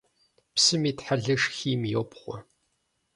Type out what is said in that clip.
Псым итхьэлэр шхийм йопхъуэ.